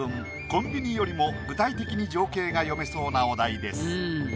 コンビニよりも具体的に情景が詠めそうなお題です。